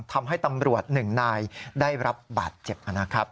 ทำให้ตำรวจหนึ่งนายได้รับบาดเจ็บนะครับ